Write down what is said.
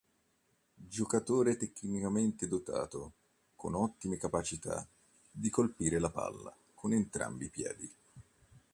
Giocatore tecnicamente dotato con ottime capacità di colpire la palla con entrambi i piedi.